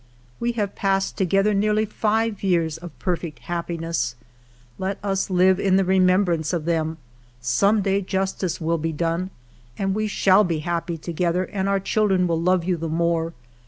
" We have passed together nearly Rve years of perfect happiness ; let us live in the remembrance of them ; some day justice will be done, and we shall again be happy together and our children will love you the more.